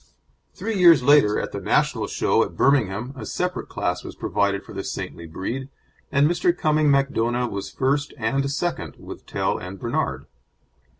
Three years later, at the National Show at Birmingham, a separate class was provided for the saintly breed, and Mr. Cumming Macdona was first and second with Tell and Bernard.